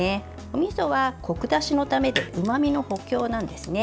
おみそは、こく出しのためでうまみの補強なんですね。